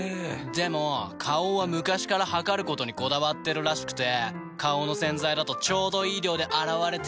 でも花王は昔から量ることにこだわってるらしくて花王の洗剤だとちょうどいい量で洗われてるなって。